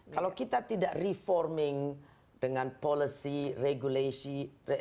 kalau kita tidak reforming dengan policy regulation